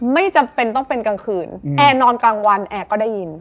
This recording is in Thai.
ไม่จำเป็นต้องเป็นกลางคืนแอร์นอนกลางวันแอร์ก็ได้ยิน